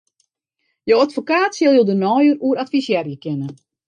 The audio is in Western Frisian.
Jo advokaat sil jo dêr neier oer advisearje kinne.